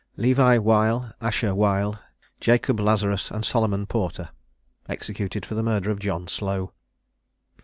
LEVI WEIL, ASHER WEIL, JACOB LAZARUS, AND SOLOMON PORTER. EXECUTED FOR THE MURDER OF JOHN SLOW.